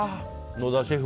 野田シェフ